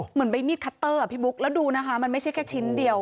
เหมือนใบมีดคัตเตอร์อ่ะพี่บุ๊คแล้วดูนะคะมันไม่ใช่แค่ชิ้นเดียว